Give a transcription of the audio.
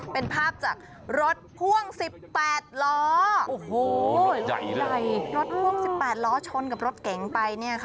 เป็นภาพจากรถพ่วง๑๘ล้อโอ้โหใหญ่รถพ่วง๑๘ล้อชนกับรถเก๋งไปเนี่ยค่ะ